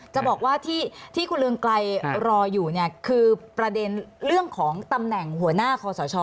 จะบอกว่าที่คุณเรืองไกรรออยู่เนี่ยคือประเด็นเรื่องของตำแหน่งหัวหน้าคอสช